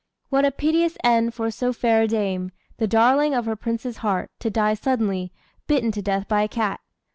What a piteous end for so fair a dame, the darling of her prince's heart, to die suddenly, bitten to death by a cat!